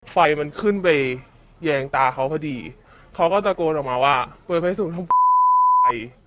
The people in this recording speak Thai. ไฟมันขึ้นไปแยงตาเขาพอดีเขาก็ตะโกนออกมาว่าเปิดไฟสูงทำไม